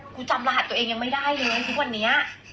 จำรหัสตัวเองยังไม่ได้เลยทุกวันนี้